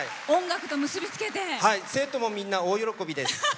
生徒も、みんな大喜びです。